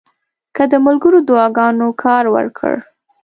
که د ملګرو دعاګانو کار ورکړ.